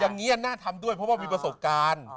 อย่างนี้น่าทำด้วยเพราะว่ามีประสบการณ์